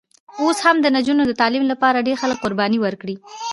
اوس هم د نجونو د تعلیم لپاره ډېر خلک قربانۍ ورکړي.